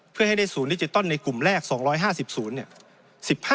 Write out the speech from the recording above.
เพื่อให้ได้ศูนย์ดิจิตอลในกลุ่มแรก๒๕๐ศูนย์เนี่ย